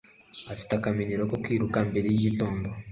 Afite akamenyero ko kwiruka mbere yigitondo.